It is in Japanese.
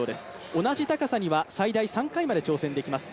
同じ高さには最大３回まで挑戦できます。